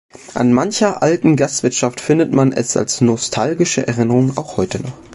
An mancher alten Gastwirtschaft findet man es als nostalgische Erinnerung auch heute noch.